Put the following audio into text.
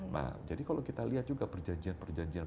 nah jadi kalau kita lihat juga perjanjian perjanjian